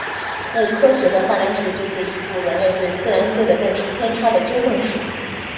故科学的发展史就是一部人类对自然界的认识偏差的纠正史。